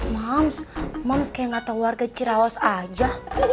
mams mams kayak gak tau warga ciraos aja